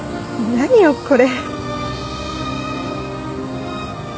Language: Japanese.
何よこれ。